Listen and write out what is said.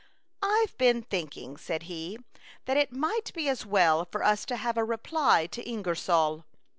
" IVe been thinking/' said he, "that it might be as well for us to have a reply to Ingersoll.